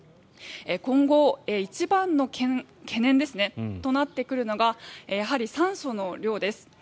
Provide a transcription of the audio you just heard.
今後、一番の懸念となってくるのがやはり酸素の量です。